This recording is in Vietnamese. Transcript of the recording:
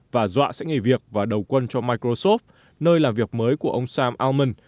và dọa sẽ nghỉ việc và đầu quân cho microsoft nơi làm việc mới của ông sam altman